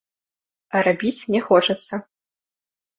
А рабіць не хочацца.